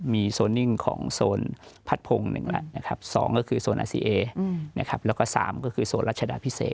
มีโซนนิ่งของโซนพัดพงศ์๑แล้วนะครับ๒ก็คือโซนอาซีเอนะครับแล้วก็๓ก็คือโซนรัชดาพิเศษ